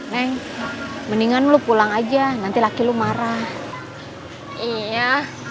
neng mendingan lu pulang aja nanti laki lu marah iya